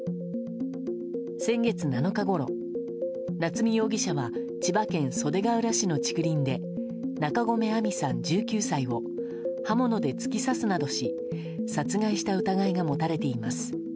先月７日ごろ、夏見容疑者は千葉県袖ケ浦市の竹林で中込愛美さん、１９歳を刃物で突き刺すなどし殺害した疑いが持たれています。